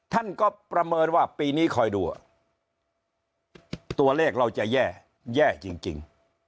ท่านก็ประเมินว่าปีนี้คอยดูตัวเลขเราจะแย่แย่จริง